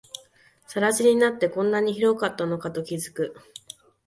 更地になって、こんなに広かったのかと気づく